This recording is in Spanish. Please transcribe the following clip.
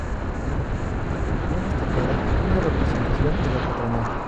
Bien destacada, una representación de la patronal".